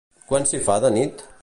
Quan s'hi fa de nit?